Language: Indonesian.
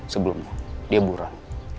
sebelumnya dia buruan